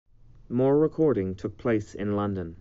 More recording took place in London.